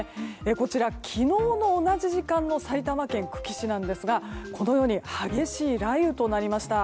こちら昨日の同じ時間の埼玉県久喜市なんですがこのように激しい雷雨となりました。